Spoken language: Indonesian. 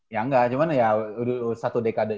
ya enggak cuman ya satu dekade